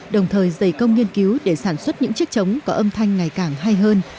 đồng thời dày công nghiên cứu để sản xuất những chiếc trống có âm thanh ngày càng hay hơn